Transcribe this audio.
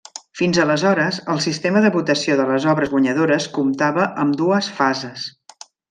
Fins aleshores, el sistema de votació de les obres guanyadores comptava amb dues fases.